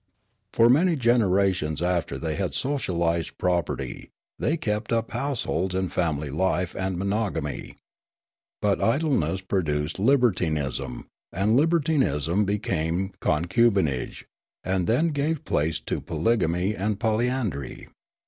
For many generations after they had socialised pro perty, they kept up households and family life and monogani}'. But idleness produced libertinism, and libertinism became concubinage, and then gave place to polygamy and polyandry.